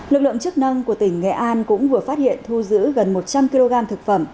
lực lượng chức năng của tỉnh nghệ an cũng vừa phát hiện thu giữ gần một trăm linh kg thực phẩm